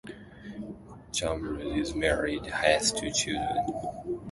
Chambers is married and has two children.